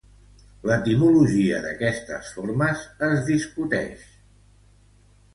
L'etimologia d'estes formes es discutix.